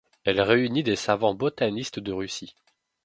Elle réunit des savants botanistes de Russie.